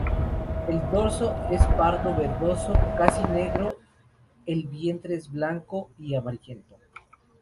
El dorso es pardo verdoso casi negro, el vientre es blanco y amarillento.